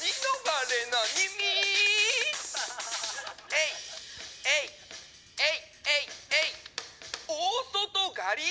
「えいっえいっえいえいえい」。